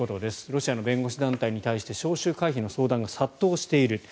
ロシアの弁護士団体に対して招集回避の相談が殺到している。